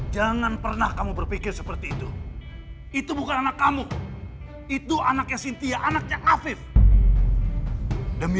jangan pernah kamu berpikir seperti itu itu bukan anak kamu itu anaknya sintia anaknya afif demi